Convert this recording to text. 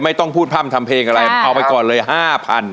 ไม่ต้องพูดพร่ำทำเพลงอะไรเอาไปก่อนเลยห้าพัน